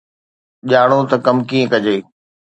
ڄاڻو ته ڪم ڪيئن ڪجي